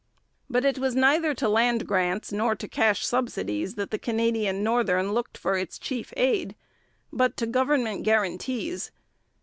But it was neither to land grants nor to cash subsidies that the Canadian Northern looked for its chief aid, but to government guarantees.